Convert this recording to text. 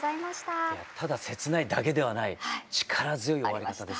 ただ切ないだけではない力強い終わり方でしたね。